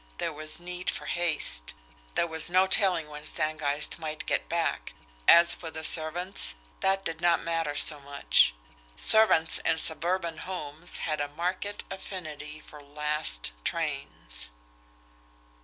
There was need for haste. There was no telling when Stangeist might get back as for the servants, that did not matter so much; servants in suburban homes had a marked affinity for "last trains!"